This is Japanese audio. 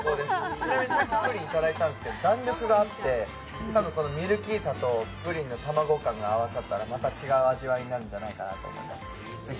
ちなみにさっき、プリンいただいたんですけど弾力があってたぶんミルキーさとプリンの卵感が合わさったら、また違う味わいになるんじゃないかと思います。